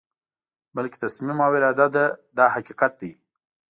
بلکې تصمیم او اراده ده دا حقیقت دی.